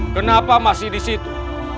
kenapa masih disitu